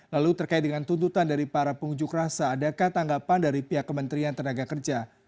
lalu terkait dengan tuntutan dari para pengunjuk rasa adakah tanggapan dari pihak kementerian tenaga kerja